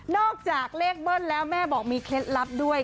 จากเลขเบิ้ลแล้วแม่บอกมีเคล็ดลับด้วย